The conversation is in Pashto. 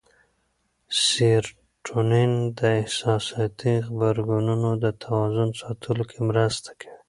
سېرټونین د احساساتي غبرګونونو د توازن ساتلو کې مرسته کوي.